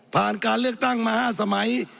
ผ่านการเลือกตั้งมาห้าสมัย